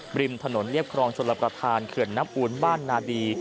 ริมถนนเรียบครองชลประธานเขื่อนน้ำอูลบ้านนาดี